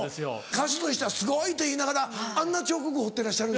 歌手としては「すごい」といいながらあんな彫刻彫ってらっしゃる？